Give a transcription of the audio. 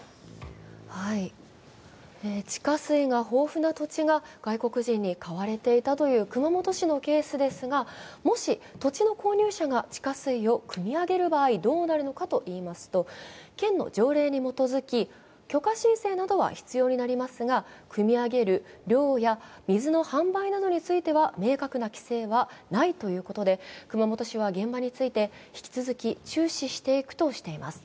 地下水が豊富な土地が外国人に買われていたという熊本市のケースですが、もし土地の購入者が地下水をくみ上げる場合どうなるのかといいますと県の条例に基づき、許可申請などは必要になりますが、くみ上げる量や水の販売などについては明確な規制はないということで、熊本市は現場について、引き続き注視していくとしています。